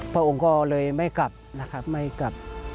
พระองค์ก็เลยไม่กลับนะครับไม่กลับ